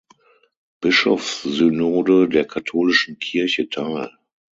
Bischofssynode der katholischen Kirche teil.